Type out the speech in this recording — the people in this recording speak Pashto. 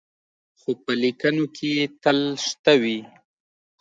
خو په لیکنو کې یې تل شته وي.